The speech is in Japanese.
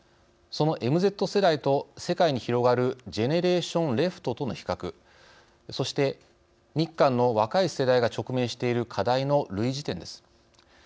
その「ＭＺ世代」と世界に広がる「ジェネレーション・レフト」との比較そして、日韓の若い世代が直面している課題の類似点です。